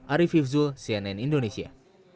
arief yufzul cnn indonesia